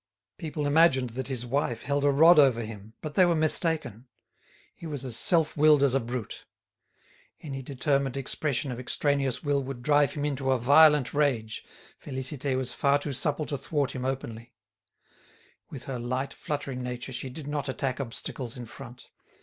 People imagined that his wife held a rod over him, but they were mistaken. He was as self willed as a brute. Any determined expression of extraneous will would drive him into a violent rage. Félicité was far too supple to thwart him openly; with her light fluttering nature she did not attack obstacles in front.